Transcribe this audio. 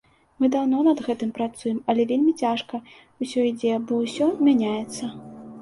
Мы даўно над гэтым працуем, але вельмі цяжка ўсё ідзе, бо ўсё мяняецца.